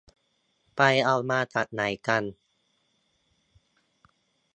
ไปเอามาจากไหนกัน